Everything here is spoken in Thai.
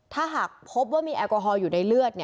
ถ้าหากพบว่ามีแอลกอฮอลอยู่ในเลือด